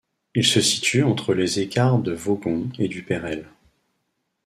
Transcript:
Il se situe entre les écarts de Vaugon et du Pérel.